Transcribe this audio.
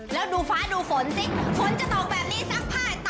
แล้วดูฟ้าดูฝนสิฝนจะตกแบบนี้ซักผ้า